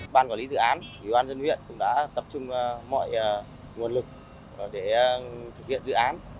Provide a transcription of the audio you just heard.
ban quản lý dự án ủy ban dân huyện cũng đã tập trung mọi nguồn lực để thực hiện dự án